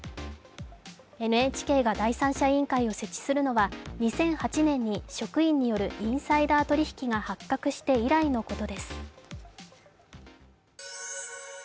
ＮＨＫが第三者委員会を設置するのは２００８年に職員によるインサイダー取引が発覚して以来のことです。